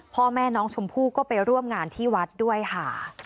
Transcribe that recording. พ่อแม่น้องชมพู่ก็ไปร่วมงานที่วัดด้วยค่ะ